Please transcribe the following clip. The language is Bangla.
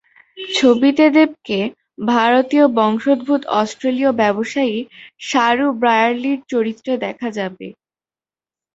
ছবিতে দেবকে ভারতীয় বংশোদ্ভূত অস্ট্রেলীয় ব্যবসায়ী সারু ব্রায়ারলির চরিত্রে দেখা যাবে।